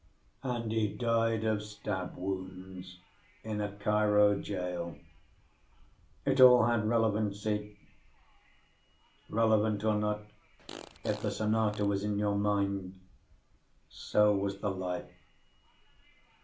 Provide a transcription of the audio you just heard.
And he died of stab wounds in a Cairo jail. It all had relevancy. Relevant or not, if the sonata was in your mind, so was the life.